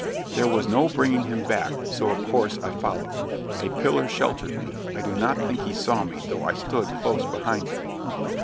There was no bringing him back, so of course I followed. A pillar sheltered me I do not think he saw me, though I stood close behind him.